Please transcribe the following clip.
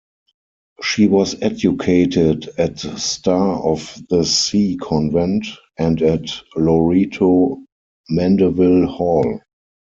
She was educated at Star of the Sea Convent, and at Loreto Mandeville Hall.